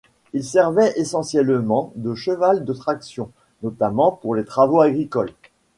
Il servait essentiellement de cheval de traction, notamment pour les travaux agricoles.